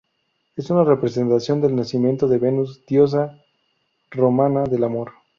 Es una representación del nacimiento de Venus, diosa romana del amor.